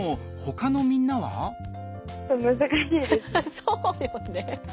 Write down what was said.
そうよね。